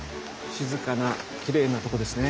静かなきれいなとこですね。